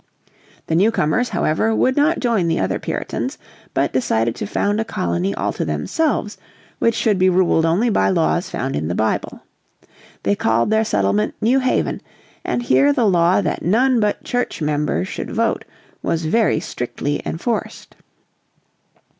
The newcomers however, would not join the other Puritans, but decided to found a colony all to themselves which should be ruled only by laws found in the Bible. They called their settlement New Haven, and here the law that none but church members should vote was very strictly enforced.